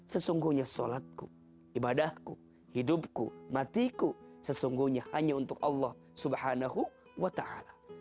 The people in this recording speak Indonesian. sesungguhnya sholatku ibadahku hidupku matiku sesungguhnya hanya untuk allah subhanahu wa ta'ala